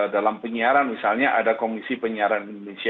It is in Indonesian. dalam penyiaran misalnya ada komisi penyiaran indonesia